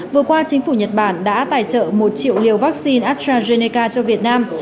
vừa qua chính phủ nhật bản đã tài trợ một triệu liều vaccine astrazeneca cho việt nam